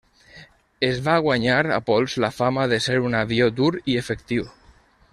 Es va guanyar a pols la fama de ser un avió dur i efectiu.